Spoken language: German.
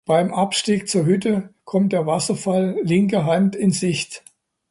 Beim Abstieg zur Hütte kommt der Wasserfall linker Hand in Sicht.